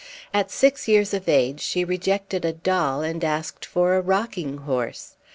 At six years of age she rejected a doll and asked for a rocking horse.